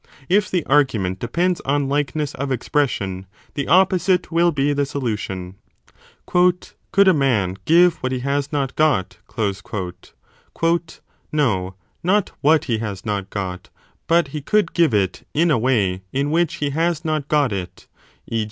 If the argument depends on likeness of expression, the opposite will be the solution. Could a man give what he has not got ? No, not what he has not got ; but he could give it in a way in which he has not got it, e.